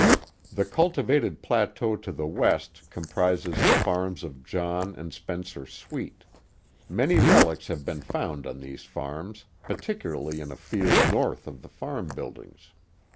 The cultivated plateau to the west comprises the farms of John and Spencer Sweet. Many relics have been found on these farms, particularly in a field north of the farm buildings.